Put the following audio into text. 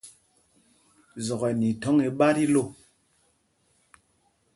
Zɔk ɛ nɛ ithɔ̌ŋ iɓá tí lô.